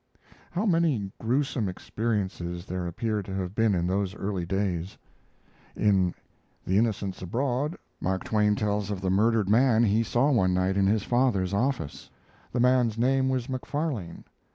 How many gruesome experiences there appear to have been in those early days! In 'The Innocents Abroad' Mark Twain tells of the murdered man he saw one night in his father's office. The man's name was McFarlane.